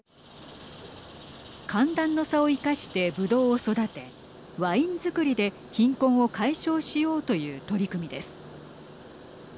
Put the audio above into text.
寒暖の差を生かしてぶどうを育てワイン作りで貧困を解消しようという取り組みです。